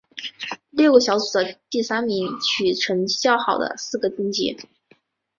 六个小组的第三名取成绩最好的四个晋级。